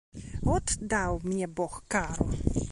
От даў мне бог кару!